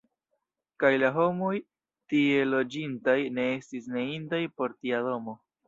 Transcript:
Kaj la homoj, tie loĝintaj, ne estis ne indaj por tia domo!